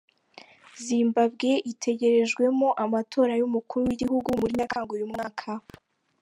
Zimbabwe itegerejwemo amatora y’Umukuru w’Igihugu muri Nyakanga uyu mwaka.